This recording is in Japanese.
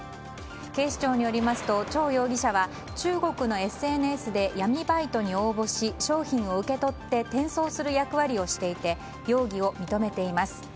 警視庁によりますとチョウ容疑者は中国のＳＮＳで闇バイトに応募し商品を受け取って転送する役割をしていて容疑を認めています。